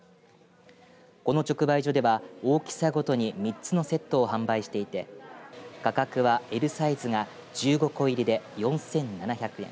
この直売所では、大きさごとに３つのセットを販売していて価格はＬサイズが１５個入りで４７００円。